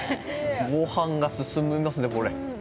ごはんが進みますね。